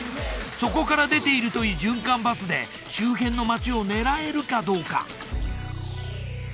そこから出ているという循環バスで周辺の町を狙えるかどうか？